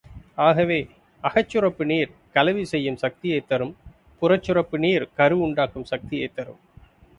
ஆகவே அகச்சுரப்பு நீர் கலவி செய்யும் சக்தியைத் தரும், புறச்சுரப்பு நீர் கரு உண் டாக்கும் சக்தியைத் தரும்.